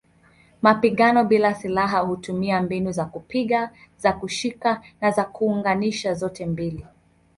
Mapigano bila silaha hutumia mbinu za kupiga, za kushika na za kuunganisha zote mbili.